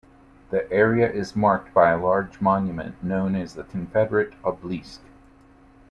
The area is marked by a large monument known as the Confederate Obelisk.